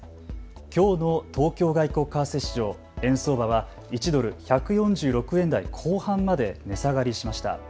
きょうの東京外国為替市場、円相場は１ドル１４６円台後半まで値下がりしました。